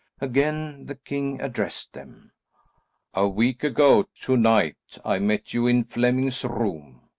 Again the king addressed them, "A week ago to night I met you in Flemming's room.